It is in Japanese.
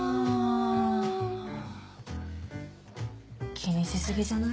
気にし過ぎじゃない？